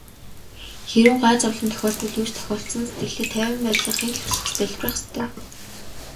Хэрэв гай зовлон тохиолдвол юу ч тохиолдсон сэтгэлээ тайван байлгахыг л хүсэж залбирах ёстой.